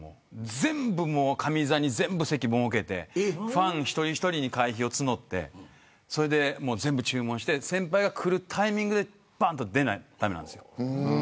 全部、上座に席を設けてファン、一人一人に会費を募ってそれで全部注文して先輩が来るタイミングでばんと出ないと駄目なんですよ。